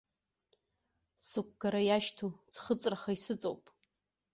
Сықәгара иашьҭоу ӡхыҵраха исыҵоуп.